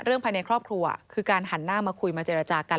ภายในครอบครัวคือการหันหน้ามาคุยมาเจรจากัน